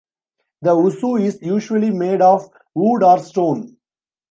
The "usu" is usually made of wood or stone.